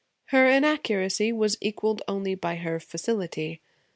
Her inaccuracy was equaled only by her facility.